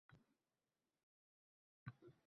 O’rta deraza ochib qo‘yildi.